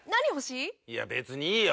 いや別にいいよ